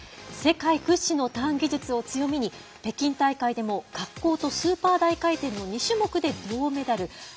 世界屈指のターン技術を強みに北京大会でも滑降とスーパー大回転の２種目で銅メダル。